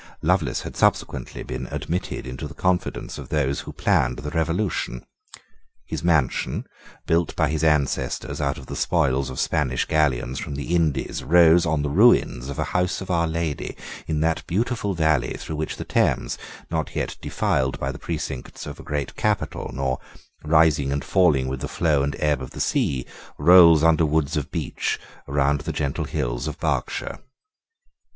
Lovelace had subsequently been admitted into the confidence of those who planned the Revolution. His mansion, built by his ancestors out of the spoils of Spanish galleons from the Indies, rose on the ruins of a house of Our Lady in that beautiful valley through which the Thames, not yet defiled by the precincts of a great capital, nor rising and falling with the flow and ebb of the sea, rolls under woods of beech round the gentle hills of Berkshire.